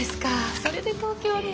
それで東京に。